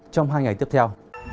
trong hai ngày tiếp theo